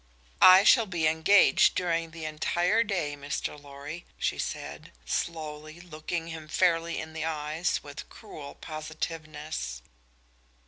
"I shall be engaged during the entire day, Mr. Lorry," she said, slowly, looking him fairly in the eyes with cruel positiveness.